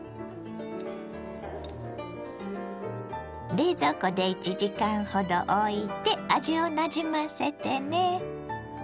冷蔵庫で１時間ほどおいて味をなじませてね。